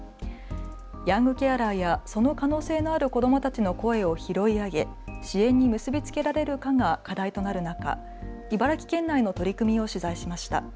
ヤングケアラーやその可能性のある子どもたちの声を拾い上げ、支援に結び付けられるかが課題となる中、茨城県内の取り組みを取材しました。